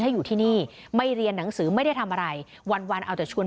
อยู่ที่นี่ไม่เรียนหนังสือไม่ได้ทำอะไรวันวันเอาแต่ชวน